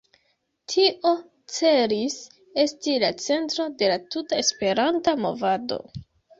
Tio celis esti la centro de la tuta Esperanta movado.